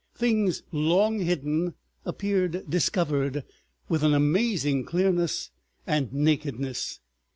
Things long hidden appeared discovered with an amazing clearness and nakedness.